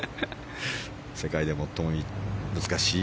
世界で最も難しい。